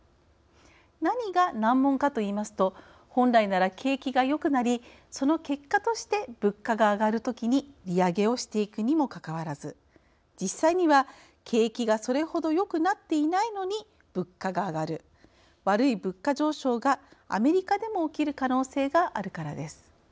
何が難問かといいますと本来なら景気がよくなりその結果として物価が上がるときに利上げをしていくにもかかわらず実際には景気がそれほどよくなっていないのに物価が上がる悪い物価上昇がアメリカでも起きる可能性があるからです。